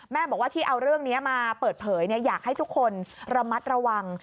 บอกว่าที่เอาเรื่องนี้มาเปิดเผยอยากให้ทุกคนระมัดระวัง